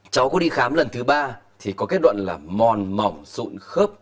cháu có đi khám lần thứ ba thì có kết luận là mòn mỏng sụn khớp